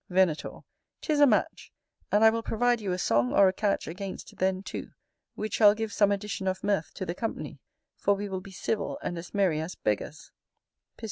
Venator. Tis a match; and I will provide you a song or a catch against then, too, which shall give some addition of mirth to the company; for we will be civil and as merry as beggars.